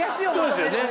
そうですよね。